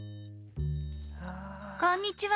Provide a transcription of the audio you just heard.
こんにちは！